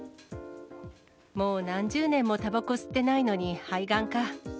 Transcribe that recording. もう何十年もたばこ吸ってないのに、肺がんか。